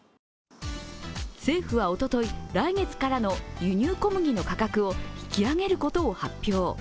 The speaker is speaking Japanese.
政府はおととい、来月からの輸入小麦の価格を引き上げることを発表。